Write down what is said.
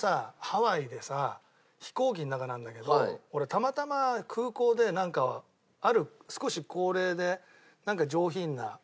ハワイでさ飛行機の中なんだけど俺たまたま空港で少し高齢で。